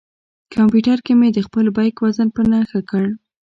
کمپیوټر کې مې د خپل بیک وزن په نښه کړ.